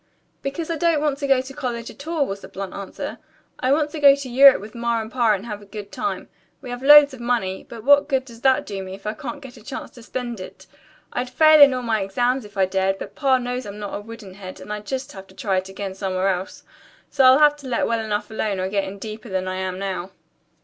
"Because I don't want to go to college at all," was the blunt answer. "I want to go to Europe with Ma and Pa and have a good time. We have loads of money, but what good does that do me if I can't get a chance to spend it? I'd fail in all my exams if I dared, but Pa knows I'm not a wooden head, and I'd just have to try it again somewhere else. So I'll have to let well enough alone or get in deeper than I am now."